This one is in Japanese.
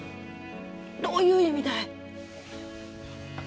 どういう意味だい？